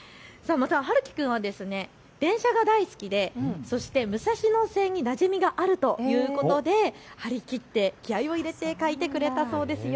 また、はるき君は電車が大好きでそして武蔵野線になじみがあるということでは張り切って気合いを入れて描いてくれたそうですよ。